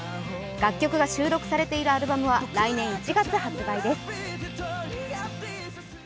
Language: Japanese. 楽曲が収録されているアルバムは来年１月発売です。